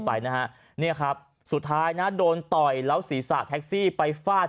ไปนะฮะเนี่ยครับสุดท้ายนะโดนต่อยแล้วศีรษะแท็กซี่ไปฟาด